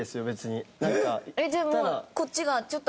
じゃあもうこっちがちょっと。